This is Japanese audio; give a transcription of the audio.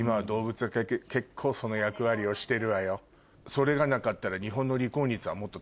それがなかったら。